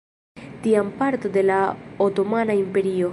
Tiam parto de la otomana imperio.